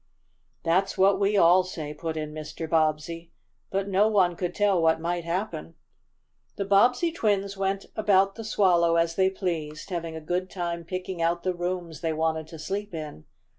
"That's what we all say," put in Mr. Bobbsey. But no one could tell what might happen. The Bobbsey twins went about the Swallow as they pleased, having a good time picking out the rooms they wanted to sleep in.